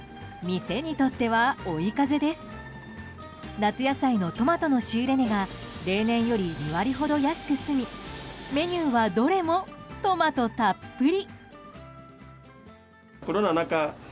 夏野菜のトマトの仕入れ値が例年より２割ほど安く済みメニューはどれもトマトたっぷり。